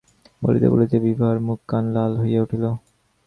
বলিতে বলিতে বিভার মুখ কান লাল হইয়া উঠিল।